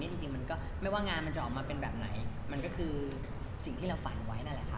ทุกสิ่งที่เราฝันไว้มันที่มีความสันเหตุ